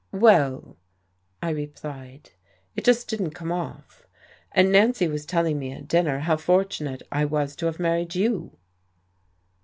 "Well," I replied, "it just didn't come off. And Nancy was telling me at dinner how fortunate I was to have married you."